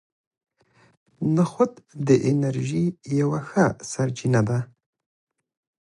نخود د انرژۍ یوه ښه سرچینه ده.